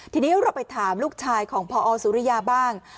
ทีนี้เราไปถามลูกชายของพอสุริยาบ้าง